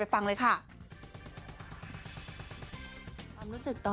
เป็นอย่างไรไปฟังเลยค่ะ